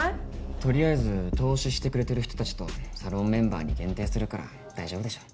取りあえず投資してくれてる人たちとサロンメンバーに限定するから大丈夫でしょ。